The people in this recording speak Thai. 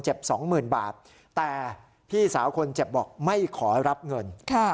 สองหมื่นบาทแต่พี่สาวคนเจ็บบอกไม่ขอรับเงิน